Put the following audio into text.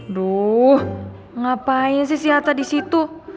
aduh ngapain sih si hatta di situ